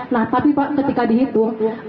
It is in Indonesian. nah tapi pak ketika dihitung